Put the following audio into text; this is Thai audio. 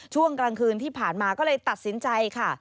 ช่วงกลางคืนที่ผ่านมาก็เลยตัดสินใจค่ะ